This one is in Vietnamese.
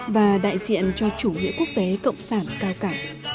và đại diện cho chủ nghĩa quốc tế cộng sản cao cả